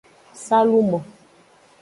Salumo.